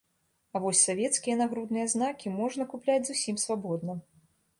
А вось савецкія нагрудныя знакі можна купляць зусім свабодна.